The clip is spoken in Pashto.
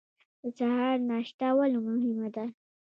د سهار ناشته ولې مهمه ده؟